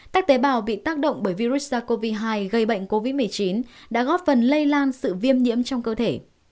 các tế bào bị tác động bởi virus sars cov hai gây bệnh covid một mươi chín đã góp phần lây lan sự viêm nhiễm trong cơ thể